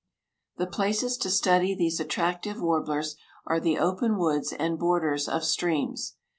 The places to study these attractive warblers are the open woods and borders of streams.